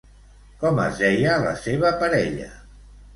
Com es deia la seva parella?